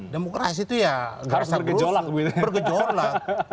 demokrasi itu ya harus bergejolak